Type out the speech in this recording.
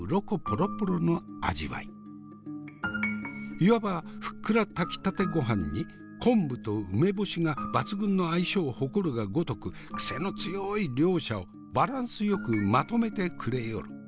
いわばふっくら炊きたてごはんに昆布と梅干しが抜群の相性を誇るがごとくくせの強い両者をバランスよくまとめてくれよる。